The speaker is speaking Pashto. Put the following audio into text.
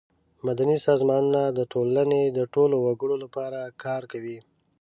مدني سازمانونه د ټولنې د ټولو وګړو لپاره کار کوي.